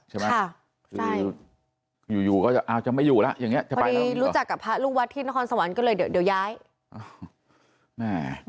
ที่เป็นคนบอกให้เขาเนี่ยทำเอกสารทำอะไรเจอกับบ้าน